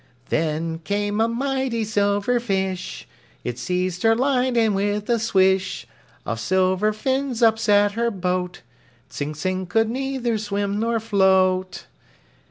Then came a mighty silver fish, It seized her line and with a swish Of silver fins upset her boat. Tsing Tsing could neither swim nor float.